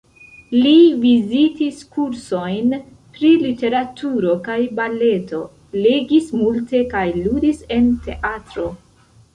Li vizitis kursojn pri literaturo kaj baleto, legis multe kaj ludis en teatro.